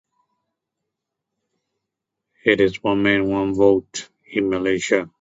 It is one man, one vote, in Malaysia